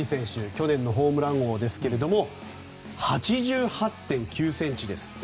去年のホームラン王ですが８８．９ｃｍですって。